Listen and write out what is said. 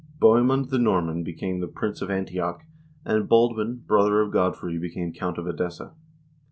Bohe mund the Norman became Prince of Antioch, and Baldwin, brother of Godfrey, became Count of Edessa.